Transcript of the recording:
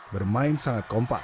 bermain sangat kompak